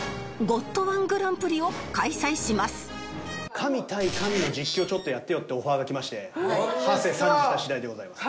神対神の実況やってよってオファーが来ましてはせ参じた次第でございます。